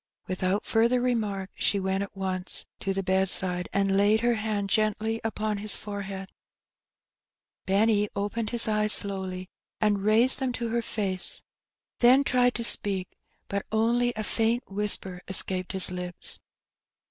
Without further remark, she went at once to the bed side, and laid her hand gently upon his forehead, ^enny opened his eyes slowly, and raised them to her face, then tried to speak, but only a faint whisper escaped his lips.